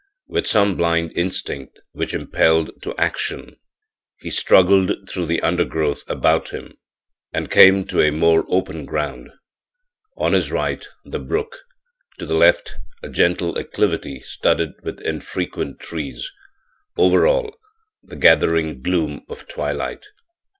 With some blind instinct which impelled to action he struggled through the undergrowth about him and came to a more open ground on his right the brook, to the left a gentle acclivity studded with infrequent trees; over all, the gathering gloom of twilight.